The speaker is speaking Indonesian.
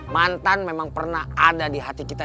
mantan memang pernah ada di hati kita